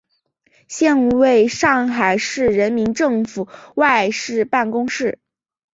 现为上海市人民政府外事办公室。